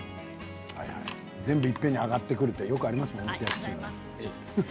全部いっぺんに上がってくるってよくありますね。